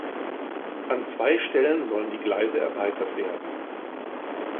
An zwei Stellen sollen die Gleise erweitert werden.